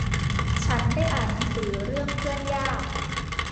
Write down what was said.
ฉันได้อ่านหนังสือเรื่องเพื่อนยาก